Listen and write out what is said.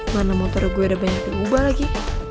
mana motor gue udah banyak yang ubah lagi